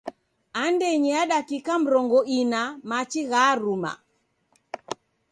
Andenyi ya dakika mrongo ina machi gharuma.